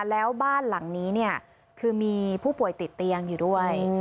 แล้วบ้านหลังนี้เนี่ยคือมีผู้ป่วยติดเตียงอยู่ด้วย